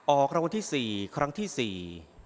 ออกรางวัลที่สี่ครั้งที่สี่